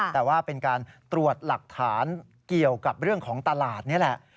แต่ว่าเป็นการตรวจหลักฐานเกี่ยวกับเรื่องของตลาดนี่แหละ